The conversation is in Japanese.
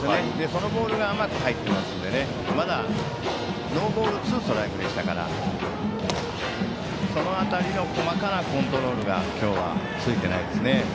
そのボールが甘く入っているのでまだノーボールツーストライクでしたからその辺りの細かなコントロールが今日はついていないですね。